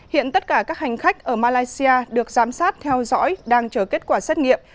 hiện tất cả các hành khách ở malaysia được giám sát theo dõi đang chờ kết quả xét nghiệm